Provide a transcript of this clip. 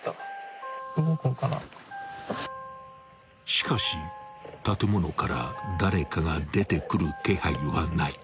［しかし建物から誰かが出てくる気配はない］